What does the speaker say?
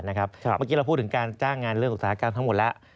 เมื่อกี้เราพูดถึงการจ้างงานเรื่องอุตสาหกรรมทั้งหมดแล้ว